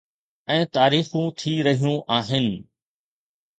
۽ تاريخون ٿي رهيون آهن.